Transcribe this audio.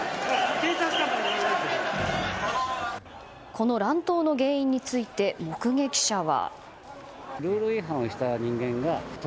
この乱闘の原因について目撃者は。